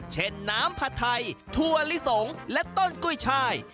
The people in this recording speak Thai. เช่นน้ำผัดไทยถั่วลิสงและต้นกุ้ยชาย